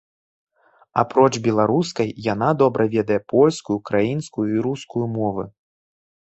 Апроч беларускай, яна добра ведае польскую, украінскую і рускую мовы.